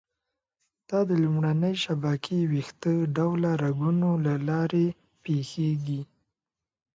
دا د لومړنۍ شبکې ویښته ډوله رګونو له لارې پېښېږي.